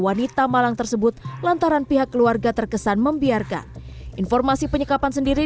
wanita malang tersebut lantaran pihak keluarga terkesan membiarkan informasi penyekapan sendiri